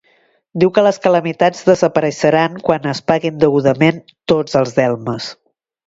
Diu que les calamitats desapareixeran quan es paguin degudament tots els delmes.